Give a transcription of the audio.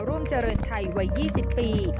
ร่วมเจริญชัยวัย๒๐ปี